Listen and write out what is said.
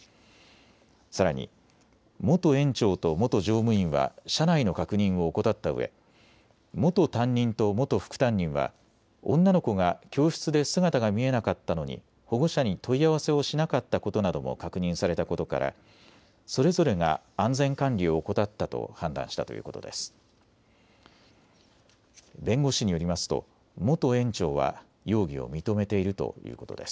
さらに、元園長と元乗務員は車内の確認を怠ったうえ元担任と元副担任は女の子が教室で姿が見えなかったのに保護者に問い合わせをしなかったことなども確認されたことからそれぞれが安全管理を怠ったと判断したということです。